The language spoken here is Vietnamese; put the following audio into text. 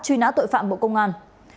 truy nã tội phạm bộ công an